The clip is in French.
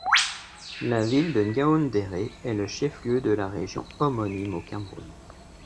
La ville de Ngaoundéré est le chef lieu de la région homonyme au Cameroun.